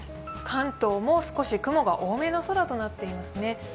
関東も少し雲が多めの空となっていますね。